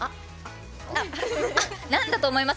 なんだと思います？